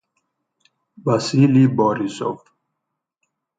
Vasilij Borisov